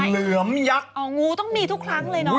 เหลือมยักษ์อ๋องูต้องมีทุกครั้งเลยเนาะ